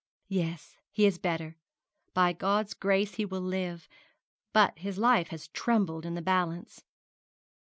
'Yes, he is better. By God's grace, he will live; but his life has trembled in the balance.